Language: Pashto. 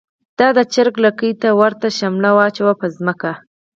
دا د چر ګ لکۍ ته ورته شملی واچوی په ځمکه